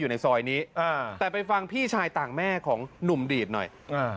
อยู่ในซอยนี้แต่ไปฟังพี่ชายต่างแม่ของหนุ่มดีดหน่อย